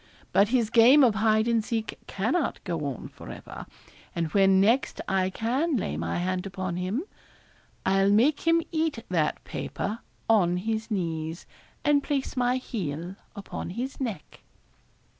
But his game of hide and seek cannot go on for ever; and when next I can lay my hand upon him, I'll make him eat that paper on his knees, and place my heel upon his neck.'